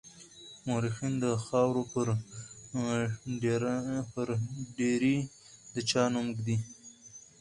مورخين د خاورو پر ډېري د چا نوم ږدي.